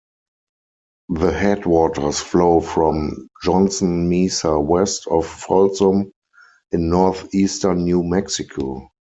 The headwaters flow from Johnson Mesa west of Folsom in northeastern New Mexico.